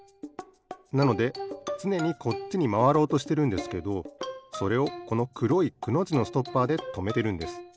なのでつねにこっちにまわろうとしてるんですけどそれをこのくろい「く」のじのストッパーでとめてるんです。